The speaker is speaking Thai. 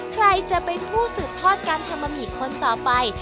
ใครจะเป็นผู้สืบทอดการทำบะหมี่คนต่อไป